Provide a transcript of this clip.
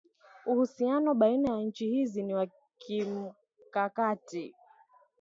Uhusiano baina ya nchi hizi ni wa kimkakati